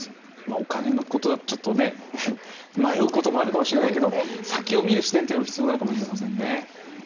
お金のことだとちょっと、迷うこともあるかもしれないけど先を見る視点というのも必要なのかもしれませんね。